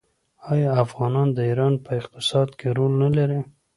آیا افغانان د ایران په اقتصاد کې رول نلري؟